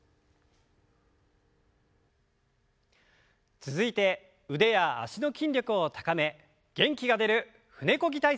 続いて腕や脚の筋力を高め元気が出る「舟こぎ体操」です。